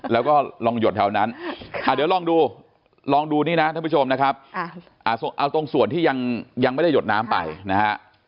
แล้วก็ลองหยดแถวนั้นเดี๋ยวลองดูลองดูนี่นะท่านผู้ชมนะครับเอาตรงส่วนที่ยังไม่ได้หยดน้ำไปนะฮะ